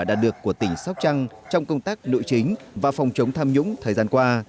đạt được của tỉnh sóc trăng trong công tác nội chính và phòng chống tham nhũng thời gian qua